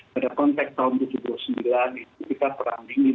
pada konteks tahun seribu sembilan ratus dua puluh sembilan itu kita perang dingin